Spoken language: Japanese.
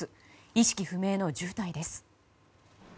意識不明の重体です。